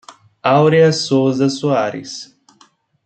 Aurea Souza Soares